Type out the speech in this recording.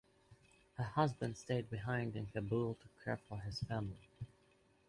Her husband stayed behind in Kabul to care for his family.